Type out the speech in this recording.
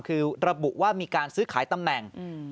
คือระบุว่ามีการซื้อขายตำแหน่ง